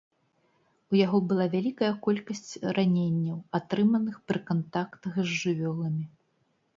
У яго была вялікая колькасць раненняў, атрыманых пры кантактах з жывёламі.